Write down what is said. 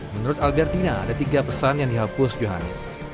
menurut albertina ada tiga pesan yang dihapus johannes